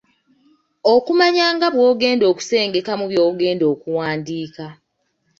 Okumanya nga bw’ogenda okusengekamu by’ogenda okuwandiika